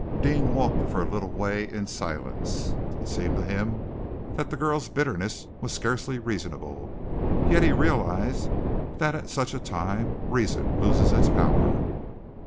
Deane walked for a little way in silence. It seemed to him that the girl's bitterness was scarcely reasonable. Yet he realized that at such a time reason loses its power.